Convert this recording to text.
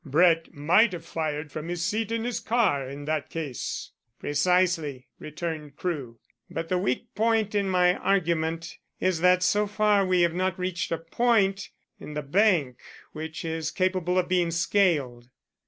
"Brett might have fired from his seat in his car, in that case." "Precisely," returned Crewe. "But the weak point in my argument is that so far we have not reached a point in the bank which is capable of being scaled."